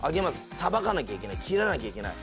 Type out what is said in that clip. さばかなきゃいけない切らなきゃいけない。